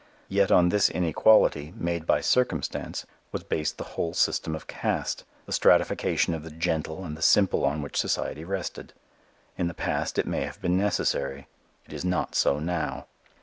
Yet on this inequality, made by circumstance, was based the whole system of caste, the stratification of the gentle and the simple on which society rested. In the past it may have been necessary. It is not so now.